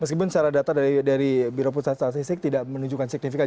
meskipun secara data dari biro pusat statistik tidak menunjukkan signifikan